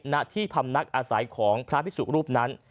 ณที่พำนักอาศัยของพระพิสุรูปนั้น